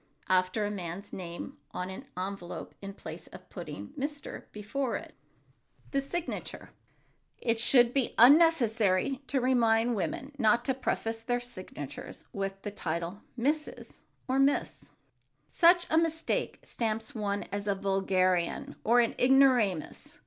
after a man's name on an envelope in place of putting "Mr." before it. [Sidenote: THE SIGNATURE] It should be unnecessary to remind women not to preface their signatures with the title "Mrs." or "Miss." Such a mistake stamps one as a vulgarian or an ignoramus.